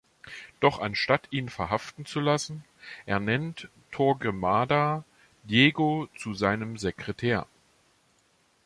Doch anstatt ihn verhaften zu lassen, ernennt Torquemada Diego zu seinem Sekretär.